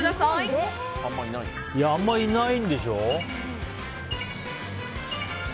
あんまいないんでしょ？